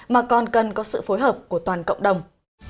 mà còn cần có sự phối hợp của toàn cộng đồng